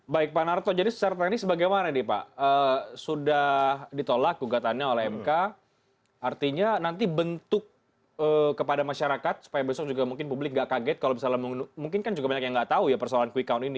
baik pak narto jadi secara teknis bagaimana nih pak sudah ditolak gugatannya oleh mk artinya nanti bentuk kepada masyarakat supaya besok juga mungkin publik nggak kaget kalau misalnya mungkin kan juga banyak yang nggak tahu ya persoalan quick count ini